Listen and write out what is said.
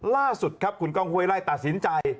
ล่าสุดครับคุณก้องห้วยไล่ตัดสินใจ